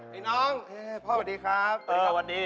พี่น้องพ่อสวัสดีครับเออสวัสดี